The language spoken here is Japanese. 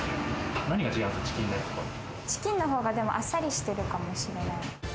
チキンの方がでもあっさりしてるかもしれない。